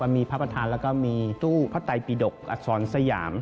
มีพระประธานแล้วก็มีตู้พระไตปีดกอักษรสยาม